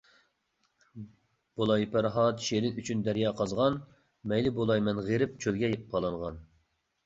بولاي پەرھات، شېرىن ئۈچۈن دەريا قازغان، مەيلى بولاي مەن غېرىب، چۆلگە پالانغان.